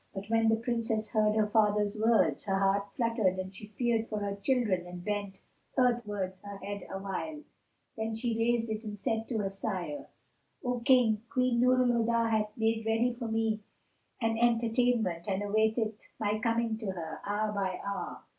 But when the Princess heard her father's words, her heart fluttered and she feared for her children and bent earthwards her head awhile: then she raised it and said to her sire, "O King, Queen Nur al Huda hath made ready for me an entertainment and awaiteth my coming to her, hour by hour.